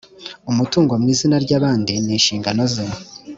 umutungo mu izina ry abandi n inshingano ze